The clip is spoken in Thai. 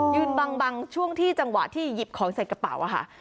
บางช่วงที่จังหวะที่หยิบของใส่กระเป๋าอะค่ะ